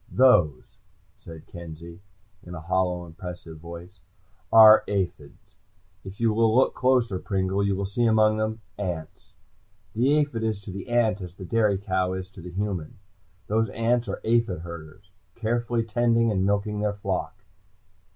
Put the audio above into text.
"Those," said Kenzie in a hollow, impressive voice, "are aphis. If you will look closer, Pringle, you will see among them ants. The aphid is to the ant as the dairy cow is to the human. Those ants are aphid herders, carefully tending and milking their flock."